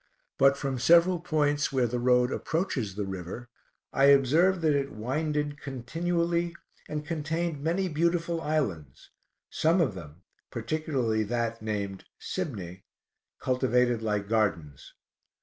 But from several points where the road approaches the river, I observed that it winded continually and contained many beautiful islands, some of them, particularly that named "Sibne," cultivated like gardens.